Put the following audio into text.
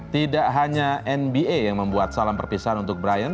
tidak hanya nba yang membuat salam perpisahan untuk brian